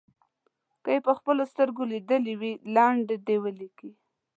که یې په خپلو سترګو لیدلې وي لنډه دې ولیکي.